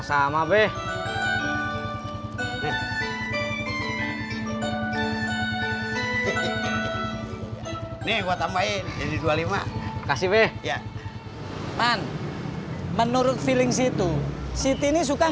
sampai jumpa di video selanjutnya